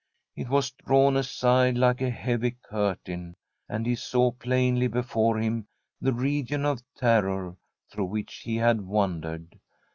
It was drawn aside like a heavy curtain, and he saw plainly before him the region of terror through which he had wandered.